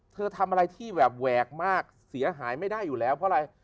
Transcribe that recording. ทำอะไรที่แบบแหวกมากเสียหายไม่ได้อยู่แล้วเพราะอะไร